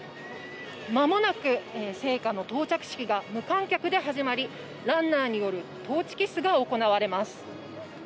間もなく聖火の到着式が無観客で始まり、ランナーによるトーチキスが行われます。